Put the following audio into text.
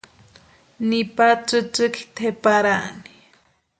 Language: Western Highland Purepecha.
Nipa tsïtsïki tʼeparaani.